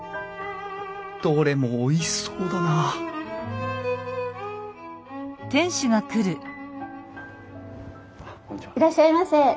どれもおいしそうだなあいらっしゃいませ。